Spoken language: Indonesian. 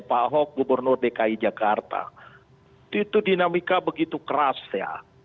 pak ahok gubernur dki jakarta itu dinamika begitu keras ya